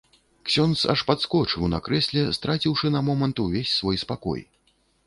Ксёндз аж падскочыў на крэсле, страціўшы на момант увесь свой спакой.